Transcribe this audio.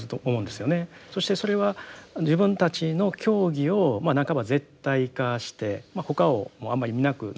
そしてそれは自分たちの教義を半ば絶対化して他をもうあんまり見なくなってしまう。